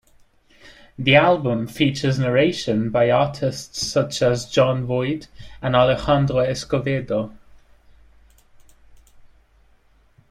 The album features narration by artists such as Jon Voight and Alejandro Escovedo.